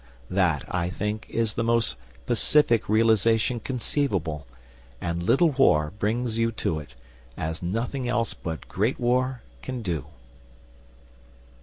That, I think, is the most pacific realisation conceivable, and Little War brings you to it as nothing else but Great War can do.